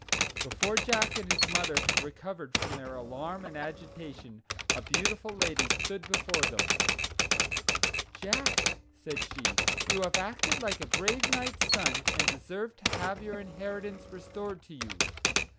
Before Jack and his mother had recovered from their alarm and agitation, a beautiful lady stood before them. "Jack," said she, "you have acted like a brave knight's son, and deserve to have your inheritance restored to you.